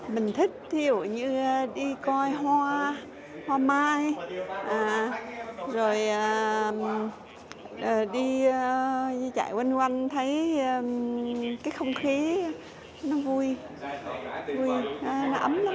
mình thích đi coi hoa mai rồi đi chạy quanh quanh thấy không khí vui vui ấm lắm